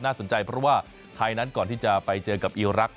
สนใจเพราะว่าไทยนั้นก่อนที่จะไปเจอกับอีรักษ